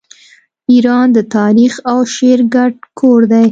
ایران د تاریخ او شعر ګډ کور دی.